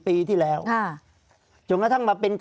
ภารกิจสรรค์ภารกิจสรรค์